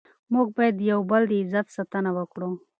موږ باید د یو بل د عزت ساتنه وکړو.